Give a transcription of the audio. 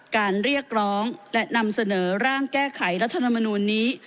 เรียกร้องและนำเสนอร่างแก้ไขรัฐธรรมนูลนี้